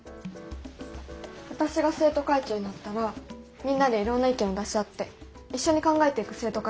私が生徒会長になったらみんなでいろんな意見を出し合って一緒に考えていく生徒会にしたいんです。